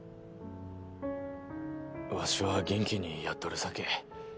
わしは元気にやっとるさけ